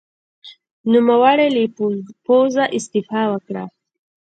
نوموړي له پوځه استعفا وکړه.